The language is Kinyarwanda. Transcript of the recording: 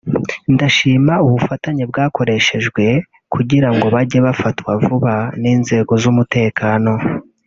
ndashima ubufatanye bwakoreshejwe kugira ngo bajye bafatwa vuba n’inzego z’umutekano